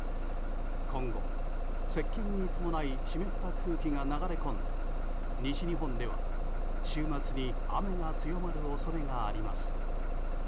今後、接近に伴い湿った空気が流れ込んで西日本では週末に雨が強まる恐れがあります。